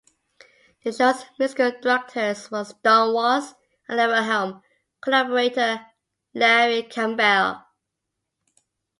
The show's musical directors were Don Was and Levon Helm collaborator Larry Campbell.